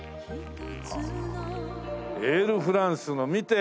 エールフランスの見て！